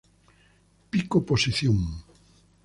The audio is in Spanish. Pico posición